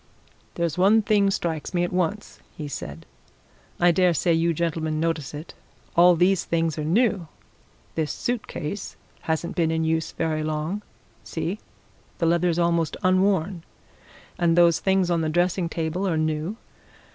"There's one thing strikes me at once," he said. "I dare say you gentlemen notice it. All these things are new! This suit case hasn't been in use very long see, the leather's almost unworn and those things on the dressing table are new.